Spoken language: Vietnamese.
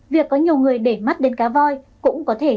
việc có nhiều người để mắt đến cá voi